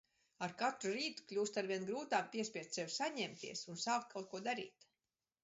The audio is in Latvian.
Ar katru rītu kļūst aizvien grūtāk piespiest sevi saņemties un sākt kaut ko darīt.